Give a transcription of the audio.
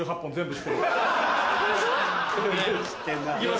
知ってんなぁ。